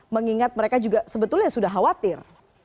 mengingat mereka juga sebetulnya sudah khawatir